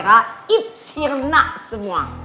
raib sirna semua